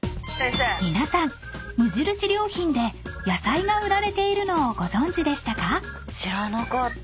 ［皆さん無印良品で野菜が売られているのをご存じでしたか？］